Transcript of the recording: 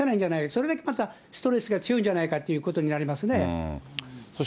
それだけまたストレスが強いんじゃないかということになりますね。